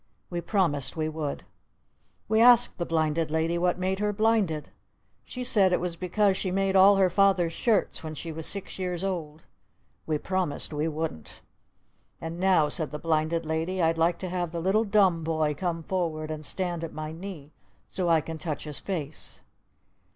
We promised we would! We asked the Blinded Lady what made her blinded. She said it was because she made all her father's shirts when she was six years old! We promised we wouldn't! "And now," said the Blinded Lady, "I'd like to have the Little Dumb Boy come forward and stand at my knee so I can touch his face!"